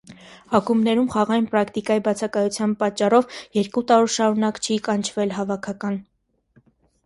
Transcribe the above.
Ակումբներում խաղային պրակտիկայի բացակայության պատճառով երկու տարի շարունակ չի կանչվել հավաքական։